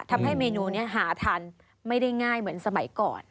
ทำให้เมนูนี้หาทานไม่ได้ง่ายเหมือนสมัยก่อน